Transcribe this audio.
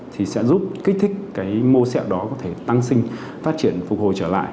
thì sẽ giúp kích thích cái mô sẹo đó có thể tăng sinh phát triển phục hồi trở lại